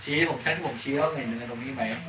เชียวผมเช็คผมเชียวเห็นในตรงนี้ไหม